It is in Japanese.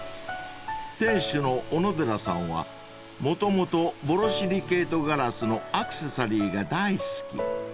［店主の小野寺さんはもともとボロシリケイトガラスのアクセサリーが大好き］